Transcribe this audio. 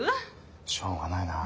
しょうがないなあ。